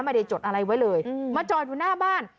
จดอะไรไว้เลยมาจอดอยู่หน้าบ้าน